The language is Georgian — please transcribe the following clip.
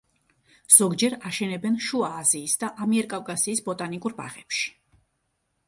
ზოგჯერ აშენებენ შუა აზიის და ამიერკავკასიის ბოტანიკურ ბაღებში.